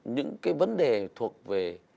những cái vấn đề thuộc về